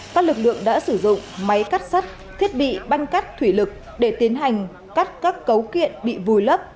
các lực lượng đã sử dụng máy cắt sắt thiết bị băng cắt thủy lực để tiến hành cắt các cấu kiện bị vùi lấp